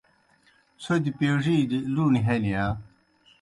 څھوْدیْ پیڙِیلِیْ لُوݨیْ ہنی یا؟